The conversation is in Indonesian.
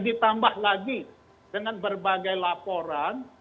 ditambah lagi dengan berbagai laporan